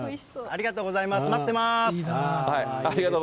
ありがとうございます。